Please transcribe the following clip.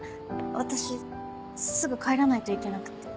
私すぐ帰らないといけなくって。